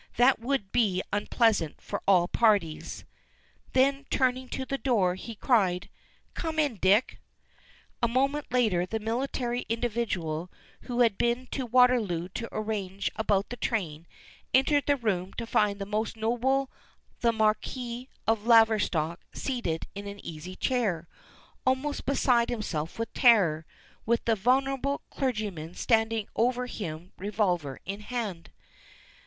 That would be unpleasant for all parties." Then, turning to the door, he cried: "Come in, Dick!" A moment later the military individual, who had been to Waterloo to arrange about the train, entered the room to find the Most Noble the Marquis of Laverstock seated in an easy chair, almost beside himself with terror, with the venerable clergyman standing over him revolver in hand.